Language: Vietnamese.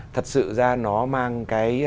thật sự ra nó mang cái